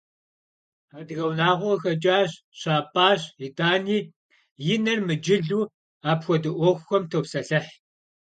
Адыгэ унагъуэ къыхэкӀащ, щапӀащ, итӀани, и нэр мыджылу апхуэдэ Ӏуэхухэм топсэлъыхь.